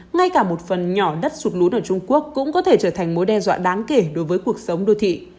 ngay cả một phần nhỏ đất sụt lún ở trung quốc cũng có thể trở thành mối đe dọa đáng kể đối với cuộc sống đô thị